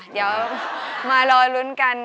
เดี๋ยวมารอลุ้นกัน